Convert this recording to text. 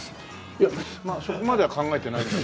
いやまあそこまでは考えてないんだけども。